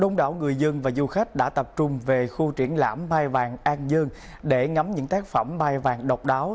nhiều du khách đã tập trung về khu triển lãm mai vàng an dơn để ngắm những tác phẩm mai vàng độc đáo